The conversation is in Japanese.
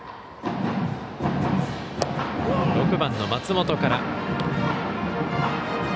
６番の松本から。